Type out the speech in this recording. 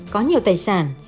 có nhiều tài sản